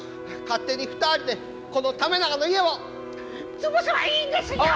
勝手に２人でこの為永の家を潰せばいいんですよ！